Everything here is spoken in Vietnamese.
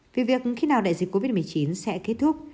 vì việc khi nào đại dịch covid một mươi chín sẽ kết thúc